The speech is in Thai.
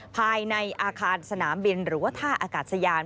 ภายในอาคารสนามบินหรือว่าท่าอากาศยาน